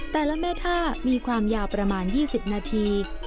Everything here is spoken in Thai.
แต่ละแม่ท่ามีความยาวประมาณ๒๐นาที